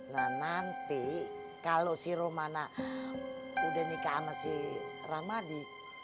nah nanti kalau si romana udah nikah sama si ramadi